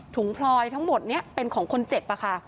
ถุงพลอยทั้งหมดเนี่ยเป็นของคนเจ็บกะค่ะ